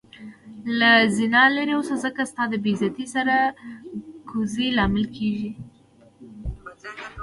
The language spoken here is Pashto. له زنا لرې اوسه ځکه ستا د بی عزتي سر کوزي لامل کيږې